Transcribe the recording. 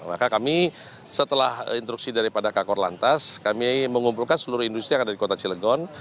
maka kami setelah instruksi daripada kakor lantas kami mengumpulkan seluruh industri yang ada di kota cilegon